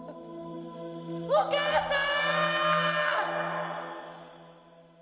お母さん！